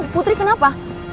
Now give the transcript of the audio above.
emang putri kenapa